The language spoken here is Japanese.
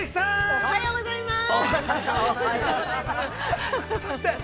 おはようございます。